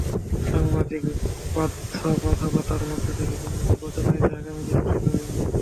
সাংবিধানিক বাধ্যবাধকতার মধ্য থেকে যেভাবে নির্বাচন হয়েছে, আগামী দিনেও সেভাবেই হবে।